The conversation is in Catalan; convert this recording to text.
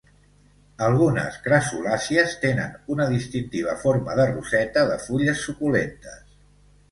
Algunes crassulàcies tenen una distintiva forma de roseta de fulles suculentes.